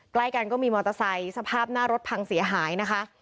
ใกล้กันก็มีมอเตอร์ไซค์สภาพหน้ารถพังเสียหายนะคะ